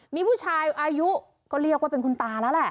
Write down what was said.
มีผู้ชายอายุก็เรียกว่าเป็นคุณตาแล้วแหละ